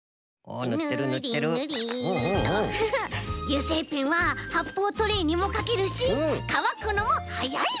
油性ペンははっぽうトレーにもかけるしかわくのもはやい！